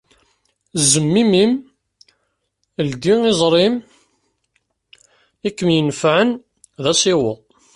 Zemm imi-im, ldi iẓri-m, ikem-yenfɛen d asiweḍ.